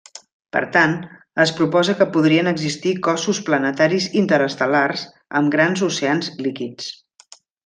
Per tant, es proposa que podrien existir cossos planetaris interestel·lars amb grans oceans líquids.